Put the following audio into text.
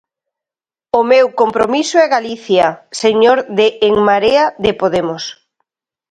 O meu compromiso é Galicia, señor de En Marea de Podemos.